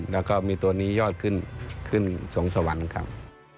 แล้วก็มีตัวนี้ยอดขึ้นขึ้นสวงสวรรค์ครับ